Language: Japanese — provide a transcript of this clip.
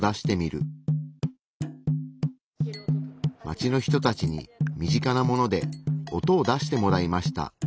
街の人たちに身近なもので音を出してもらいました。